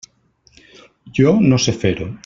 Jo no sé fer-ho.